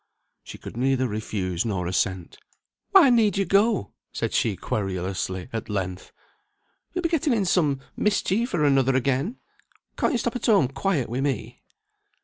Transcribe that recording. She could neither refuse nor assent. "Why need you go?" said she querulously, at length. "You'll be getting in some mischief or another again. Can't you stop at home quiet with me?"